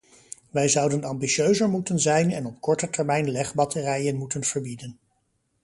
Wij zouden ambitieuzer moeten zijn en op korte termijn legbatterijen moeten verbieden.